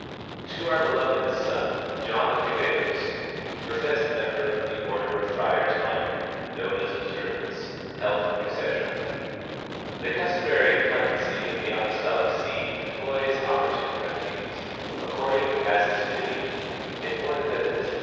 To our beloved son, John of Quevedos, professed member of the order of Friars Minor, known as Observants, health, etc : The customary clemency of the apostolic see employs oppor tune remedies, according as is fitting, in order that the disposi 232 W.